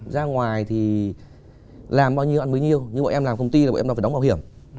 ra ngoài thì làm bao nhiêu ăn bấy nhiêu nhưng bọn em làm công ty là bọn em phải đóng bảo hiểm